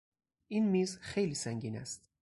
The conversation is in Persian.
این میز خیلی سنگین است.